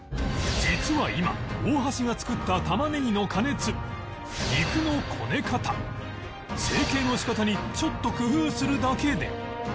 実は今大橋が作ったタマネギの加熱肉のこね方成形の仕方にちょっと工夫するだけで